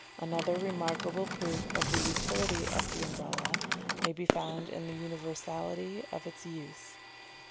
Another remarkable proof of the utility of the Umbrella may be found in the universality of its use.